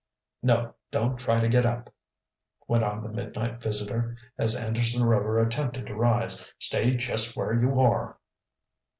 No, don't try to get up," went on the midnight visitor, as Anderson Rover attempted to rise. "Stay just where you are."